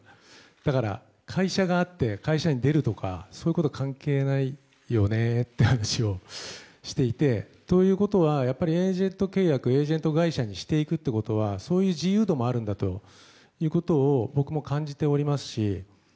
だから、会社があって会社に出るとかそういうことは関係ないよねって話をしていてということは、エージェント契約エージェント会社にしていくということはそういう自由度もあるんだということを僕も感じておりますし。